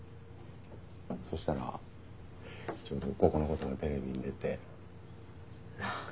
そしたらちょうどここのことがテレビに出て。